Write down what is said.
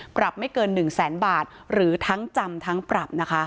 ปรับไม่เกิน๑แสนบาทหรือทั้งจำทั้งปรับนะคะ